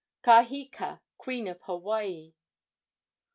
Kaheka, queen of Hawaii.